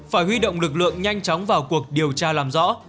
phải huy động lực lượng nhanh chóng vào cuộc điều tra làm rõ